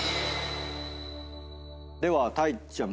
ではたいちゃん。